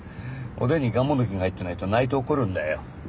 おでんにがんもどきが入ってないと泣いて怒るんだよ。